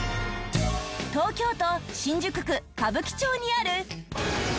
東京都新宿区歌舞伎町にある。